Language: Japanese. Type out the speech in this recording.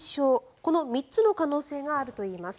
この３つの可能性があるといいます。